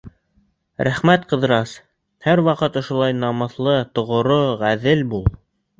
— Рәхмәт, Ҡыҙырас, һәр ваҡыт ошолай намыҫлы, тоғро, ғәҙел бул!